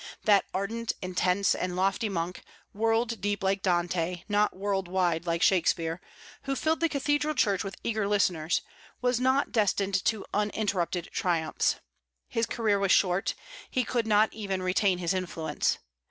That ardent, intense, and lofty monk, world deep like Dante, not world wide like Shakspeare, Who filled the cathedral church with eager listeners, was not destined to uninterrupted triumphs. His career was short; he could not even retain his influence.